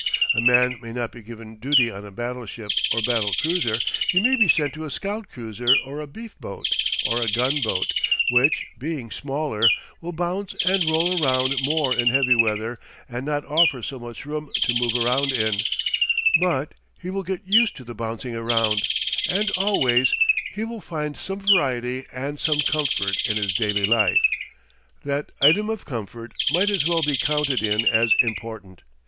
A man may not be given duty on a battleship or battle cruiser; he may be sent to a scout cruiser or a beef boat or a gunboat, which, being smaller, will bounce and roll around more in heavy weather and not offer so much room to move around in; but he will get used to the bouncing around, and always he will find some variety and some comfort in his daily life. That item of comfort might as well be counted in as important.